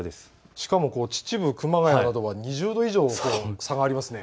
しかも秩父、熊谷などは２０度以上、差がありますね。